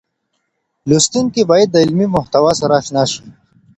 لوستونکي بايد د علمي محتوا سره اشنا شي.